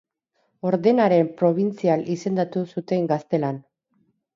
Ordenaren probintzial izendatu zuten Gaztelan.